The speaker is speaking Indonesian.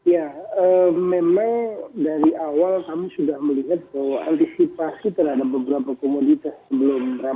ya memang dari awal kami sudah melihat kondisi terhadap beberapa komoditas sebelum berakhir